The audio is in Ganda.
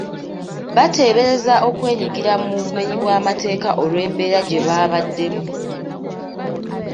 Bateebereza okwenyigira mu bumenyi bw’amateeka olw’embeera gye baabaddemu.